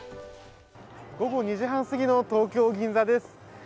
午後２時半すぎの東京・銀座です。